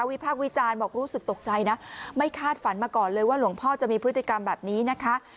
พากษ์วิจารณ์บอกรู้สึกตกใจนะไม่คาดฝันมาก่อนเลยว่าหลวงพ่อจะมีพฤติกรรมแบบนี้นะคะ